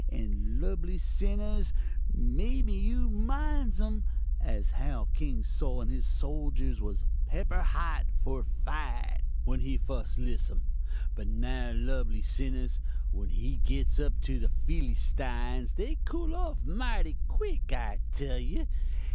And lubly sinnahs, maybe you minds um, as how King Sol and his soljurs was pepper hot for fite when he fust liss um; but now, lubly sinnahs, when they gits up to the Fillystines, they cool off mighty quick, I tell you!